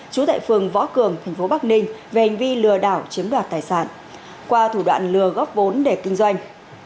trú tại phường võ cường tp bắc ninh về hành vi lừa đảo chiếm đoạt tài sản qua thủ đoạn lừa góp vốn để kinh doanh